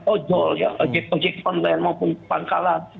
ojol ojek ojek online maupun pangkalan